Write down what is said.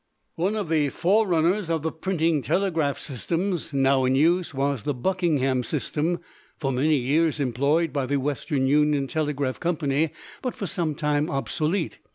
One of the forerunners of the printing telegraph systems now in use was the Buckingham system, for many years employed by the Western Union Telegraph Company, but now for some time obsolete.